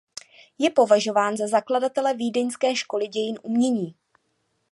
Je považován za zakladatele vídeňské školy dějin umění.